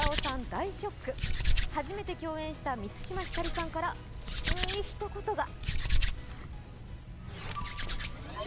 大ショック、初めて共演した満島ひかりさんからきついひと言が。